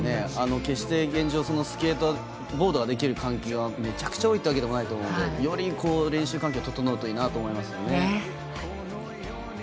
決して現状スケートボードができる環境はめちゃくちゃ多いってわけじゃないと思うのでより練習環境が整うといいなと思います。